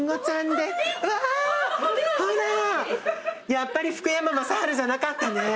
やっぱり福山雅治じゃなかったね。